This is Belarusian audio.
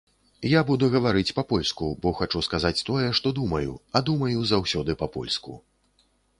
Я буду гаварыць па-польску, бо хачу сказаць тое, што думаю, а думаю заўсёды па-польску.